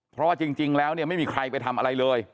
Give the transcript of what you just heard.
เพราะจริงแล้วไม่มีใครไปทำอะไรเลย